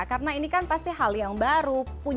karena ini kan pasti hal yang baru